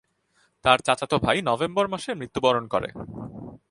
তার চাচাতো ভাই নভেম্বর মাসে মৃত্যুবরণ করে।